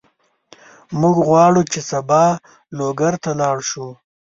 موږ غواړو چې سبا لوګر ته لاړ شو.